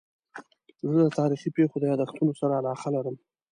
زه د تاریخي پېښو د یادښتونو سره علاقه لرم.